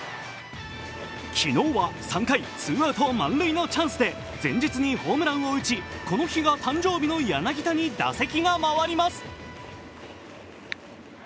昨日は３回、ツーアウト満塁のチャンスで前日にホームランを打ちこの日が誕生日の柳田に打席が回ります。